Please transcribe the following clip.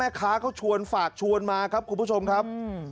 แม่ค้าก็ฝากชวนมาครับคุณผู้ชมครับ